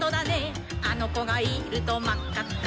「あのこがいるとまっかっか」